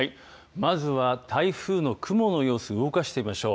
まずは台風の雲の様子動かしてみましょう。